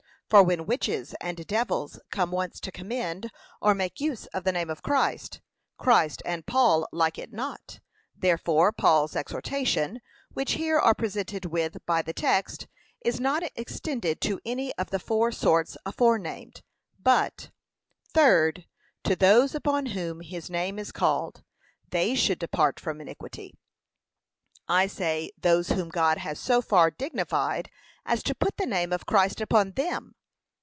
For when witches and devils come once to commend, or make use of the name of Christ, Christ and Paul like it not; therefore Paul's exhortation, which here are presented with by the text, is not extended to any of the four sorts aforenamed, but, Third, To those upon whom his name is called, they should depart from iniquity. I say those whom God has so far dignified, as to put the name of Christ upon them.